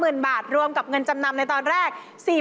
เงิน๓๐๐๐๐บาทร่วมกับเงินจำนำในตอนแรก